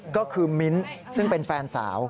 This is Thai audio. ก็คือมิ้นท์ซึ่งเป็นแฟนสาว